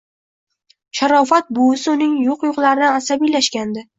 Sharofat buvisi uning yo`q-yo`qlaridan asabiylashgandi